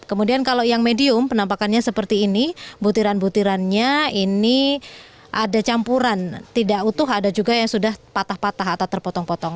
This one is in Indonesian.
kemudian kalau yang medium penampakannya seperti ini butiran butirannya ini ada campuran tidak utuh ada juga yang sudah patah patah atau terpotong potong